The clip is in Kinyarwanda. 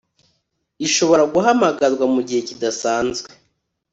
ishobora guhamagarwa mu gihe kidasanzwe